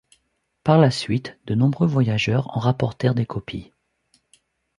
Par la suite, de nombreux voyageurs en rapportèrent des copies.